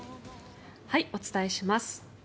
お伝えします。